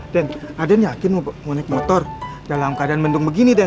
den aden yakin mau naik motor dalam keadaan mendung begini den